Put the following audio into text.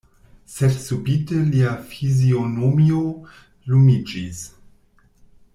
Sed subite lia fizionomio lumiĝis.